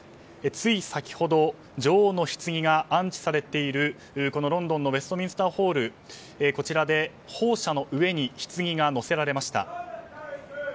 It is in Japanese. つい先ほど、女王のひつぎが安置されているロンドンのウェストミンスターホールで砲車の上にひつぎが載せられました。